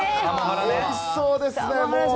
おいしそうですね。